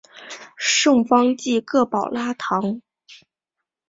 圣方济各保拉堂。